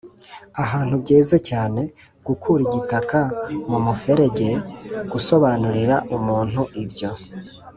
ahantu byeze cyane; gukura igitaka mu muferege; gusobanurira umuntu ibyo